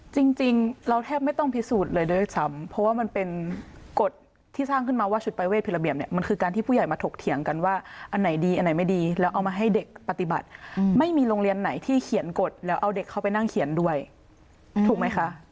จริงเราแทบไม่ต้องพิสูจน์เลยด้วยซ้ำเพราะว่ามันเป็นกฎที่สร้างขึ้นมาว่าชุดปรายเวทผิดระเบียบเนี่ยมันคือการที่ผู้ใหญ่มาถกเถียงกันว่าอันไหนดีอันไหนไม่ดีแล้วเอามาให้เด็กปฏิบัติไม่มีโรงเรียนไหนที่เขียนกฎแล้วเอาเด็กเข้าไปนั่งเขียนด้วยถูกไหมคะ